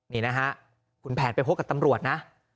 นี่นะฮะคุณแผนไปพบกับตำรวจนะ